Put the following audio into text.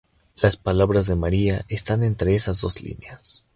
Las palabras de María están entre esas dos líneas.